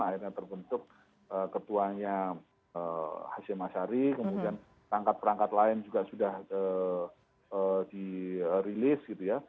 akhirnya terbentuk ketuanya haji masyari kemudian rangkat perangkat lain juga sudah dirilis gitu ya